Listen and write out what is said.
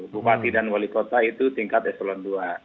bupati dan wali kota itu tingkat evalon dua